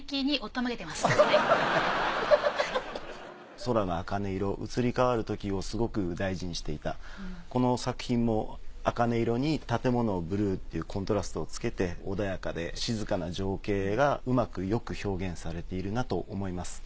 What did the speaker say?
空のあかね色移り変わるときをすごく大事にしていたこの作品もあかね色に建物のブルーっていうコントラストをつけて穏やかで静かな情景がうまくよく表現されているなと思います。